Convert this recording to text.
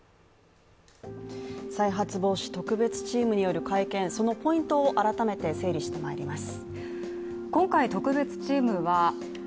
再発防止特別チームによる会見そのポイントを改めて整理してまいります。